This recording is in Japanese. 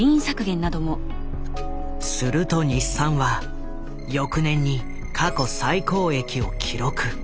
すると日産は翌年に過去最高益を記録。